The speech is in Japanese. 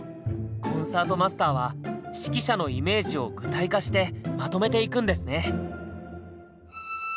コンサートマスターは指揮者のイメージを具体化してまとめていくんですね。